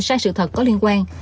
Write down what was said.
sai sự thật có liên quan